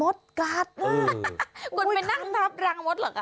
มดกัดมาก